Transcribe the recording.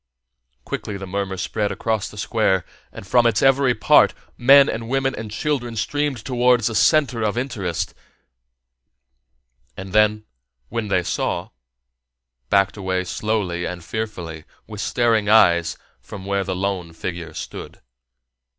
Quickly the murmur spread across the Square, and from its every part men and women and children streamed towards the center of interest and then, when they saw, backed away slowly and fearfully, with staring eyes, from where the lone figure stood.